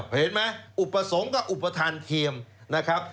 ราคาแพง